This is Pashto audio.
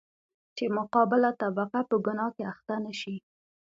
چـې مـقابله طبـقه پـه ګنـاه کـې اخـتـه نـشي.